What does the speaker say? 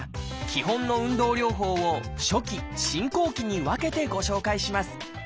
基本の運動療法を初期・進行期に分けてご紹介します。